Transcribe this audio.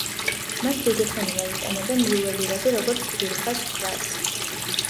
მას დიდი ხანია იყენებენ იუველირები როგორც ძვირფას ქვას.